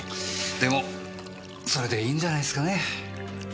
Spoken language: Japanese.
でもそれでいいんじゃないすかね。